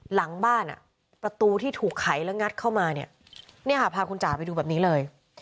หลังบ้านอ่ะประตูที่ถูกไขและงัดเข้ามาเนี่ยค่ะพาคุณจ๋าไปดูแบบนี้เลย